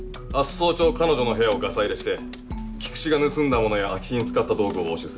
早朝彼女の部屋をガサ入れして菊池が盗んだものや空き巣に使った道具を押収する。